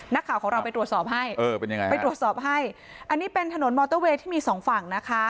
นักข่าวของเราไปตรวจสอบให้เออเป็นยังไงไปตรวจสอบให้อันนี้เป็นถนนมอเตอร์เวย์ที่มีสองฝั่งนะคะ